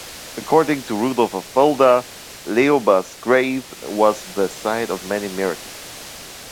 According to Rudolf of Fulda, Leoba's grave was the site of many miracles.